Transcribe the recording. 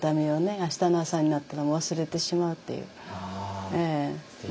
明日の朝になったらもう忘れてしまうっていうええ。